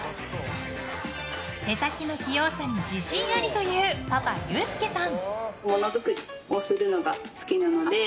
手先の器用さに自信ありというパパ、祐介さん。